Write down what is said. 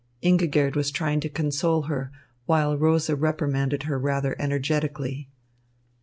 Ingigerd was trying to console her, while Rosa reprimanded her rather energetically.